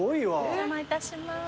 お邪魔いたします。